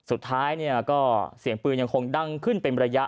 สุดท้ายเนี่ยก็เสียงปืนยังคงดังขึ้นเป็นระยะ